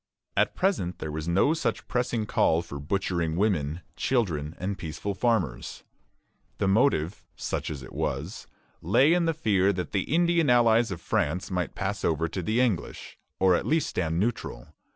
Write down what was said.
At present there was no such pressing call for butchering women, children, and peaceful farmers. The motive, such as it was, lay in the fear that the Indian allies of France might pass over to the English, or at least stand neutral.